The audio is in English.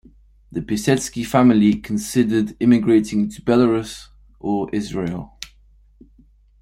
The Pisetsky family considered immigrating to Belarus or Israel.